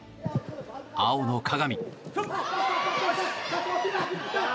青の鏡。